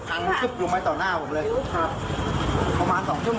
พังซึบลงไว้ต่อหน้าผมเลยครับประมาณสองชั่วโมงอ่ะ